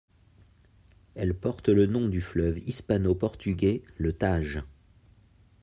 Elle porte le nom du fleuve hispano-portugais, le Tage.